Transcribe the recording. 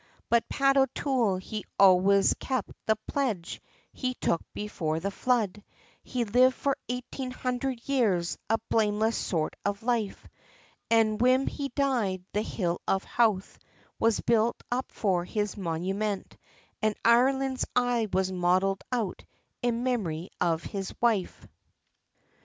But Pat O'Toole, he always kep' the pledge, he took before the flood, He lived for eighteen hundred years, a blameless sort of life, And whin he died, the Hill of Howth was built up for his monument, And Ireland's eye was modelled out, in memory of his wife.